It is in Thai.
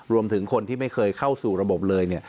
รวมถึงคนที่ไม่เคยเข้าสู่ระบบเลย